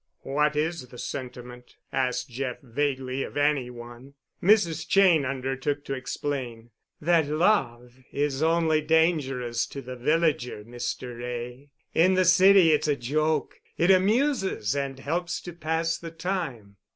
"What is the sentiment?" asked Jeff vaguely of any one. Mrs. Cheyne undertook to explain. "That love is only dangerous to the villager, Mr. Wray. In the city it's a joke—it amuses and helps to pass the time."